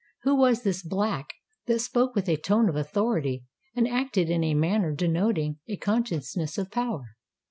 who was this Black that spoke with a tone of authority, and acted in a manner denoting a consciousness of power?